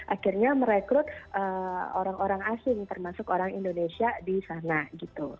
akhirnya merekrut orang orang asing termasuk orang indonesia di sana gitu